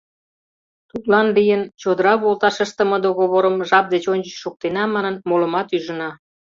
Тудлан лийын, чодыра волташ ыштыме договорым жап деч ончыч шуктена манын, молымат ӱжына.